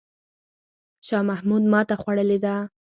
شاه محمود ماته خوړلې ده.